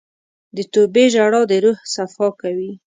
د توبې ژړا د روح صفا کوي.